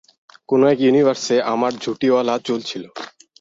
কোনো এক ইউনিভার্সে আমার ঝুঁটিওয়ালা চুল ছিল।